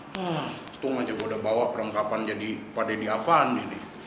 ketung aja gua udah bawa perengkapan jadi pak denny avandi nih